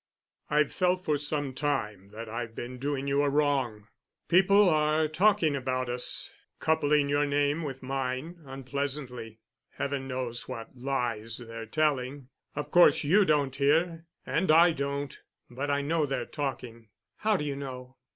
"I've felt for some time that I've been doing you a wrong. People are talking about us—coupling your name with mine—unpleasantly. Heaven knows what lies they're telling. Of course you don't hear—and I don't—but I know they're talking." "How do you know?"